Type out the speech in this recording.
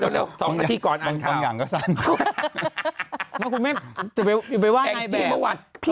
เร็ว๒นาทีก่อนอ่านข่าว